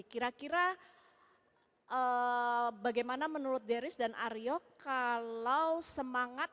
kira kira bagaimana menurut deris dan aryo kalau semangat